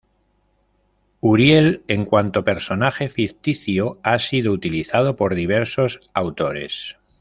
Uriel, en cuanto personaje ficticio, ha sido utilizado por diversos autores.